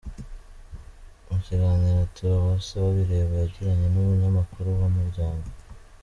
Mu kiganiro Theo Bosebabireba yagiranye n’umunyamakuru wa Umuryango.